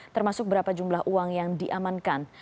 termasuk berapa jumlah uang yang diamankan